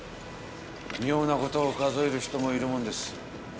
妙な事を数える人もいるもんです。